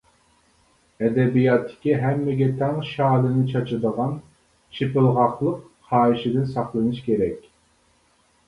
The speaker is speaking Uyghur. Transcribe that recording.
ئەدەبىياتتىكى ھەممىگە تەڭ شالىنى چاچىدىغان «چېپىلغاقلىق» خاھىشىدىن ساقلىنىش كېرەك.